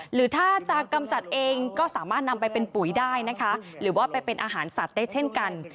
หรือถ้าจะกำจัดเองก็สามารถนำไปเป็นปุ๋ยได้นะคะหรือว่าไปเป็นอาหารสัตว์ได้เช่นกัน